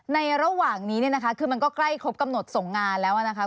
ในระหว่างนี้เนี่ยนะคะคือมันก็ใกล้ครบกำหนดส่งงานแล้วนะคะ